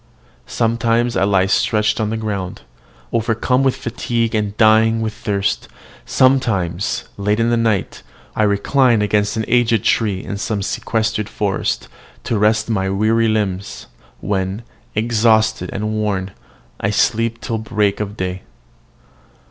Sometimes I lie stretched on the ground, overcome with fatigue and dying with thirst; sometimes, late in the night, when the moon shines above me, I recline against an aged tree in some sequestered forest, to rest my weary limbs, when, exhausted and worn, I sleep till break of day.